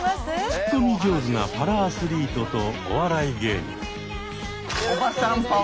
ツッコミ上手なパラアスリートとお笑い芸人。